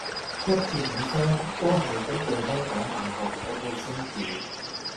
一至五聲都係根據香港大學嗰套聲調